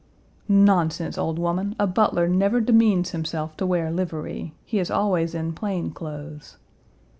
"Nonsense, old woman, a butler never demeans himself to wear livery. He is always in plain clothes."